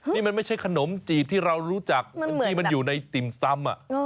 นี่มันไม่ใช่ขนมจีบที่เรารู้จักที่มันอยู่ในติ่มซำ